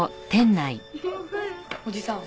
おじさん。